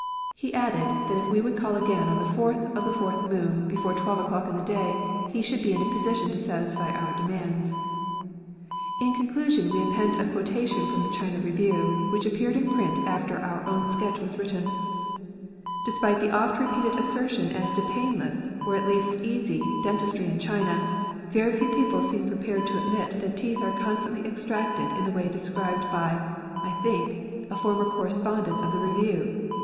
He added, that if we would call again on the 4th of the 4th moon, before 12 o'clock in the day, he should be in a position to satisfy our demands. In conclusion, we append a quotation from the China Review, which appeared in print after our own sketch was written :—" Despite the oft repeated assertion as to painless, or at least easy, dentistry in China, very few people seem prepared to admit that teeth are constantly extracted in the way described by (I think) a former correspondent of the Review.